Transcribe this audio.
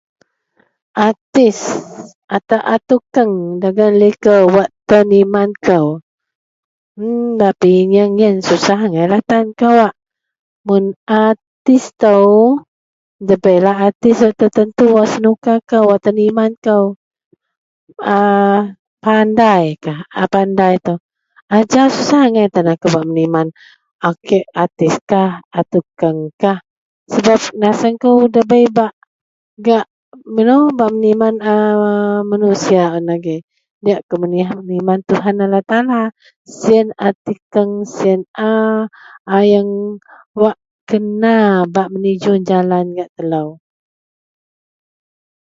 Artis antara a tukeng likou wak teniman kou bak penyienglah susah angai tan kawa artis ito debailah arti Artis antara a tukang likou wak teniman kou bak penyienglah susah angai tan kawa artis ito debailah artis tertentu wak teniman kou a pandaikah ajau susah angai tan aku bak meniman artis-artiskah a tukang sebab naseng ko debai bak meniman manusia diak aku meniman tuhan allah taala sien a tukang sien a kena bak meniju jalan gak telo.